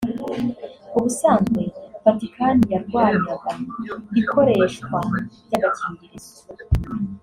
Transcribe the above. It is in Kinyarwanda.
ubusanzwe Vatikani yarwanyaga ikoreshwa ry’agakingirizo